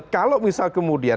kalau misal kemudian